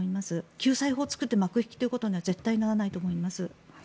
救済法を作って幕引きとは絶対ならないと思います。